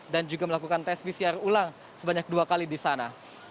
dan juga melakukan tes pcr ulang sebanyak dua kali di sana